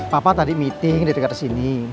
papa tadi meeting di dekat sini